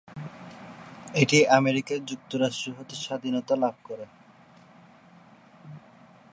এটি আমেরিকা যুক্তরাষ্ট্র হতে স্বাধীনতা লাভ করে